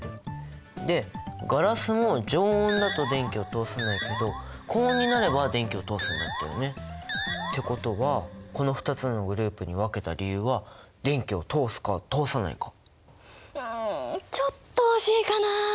でガラスも常温だと電気を通さないけど高温になれば電気を通すんだったよね。ってことはこの２つのグループに分けた理由はうんちょっと惜しいかな。